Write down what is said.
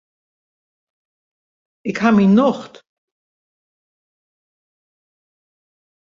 Ik ha myn nocht.